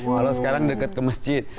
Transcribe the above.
kalau sekarang dekat ke masjid